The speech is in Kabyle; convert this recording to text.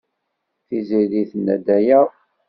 Tiziri tenna-d aya.